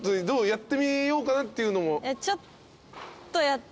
やってみようかなっていうのも。